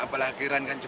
apalagi rans kan cukup